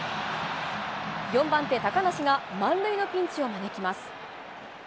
４番手、高梨が満塁のピンチを招きます。